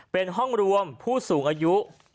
เป็นห้องรวมผู้สูงอายุ